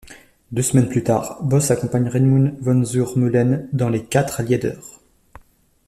Deux semaines plus tard, Bos accompagne Raimund von zur-Mühlen dans les quatre lieder.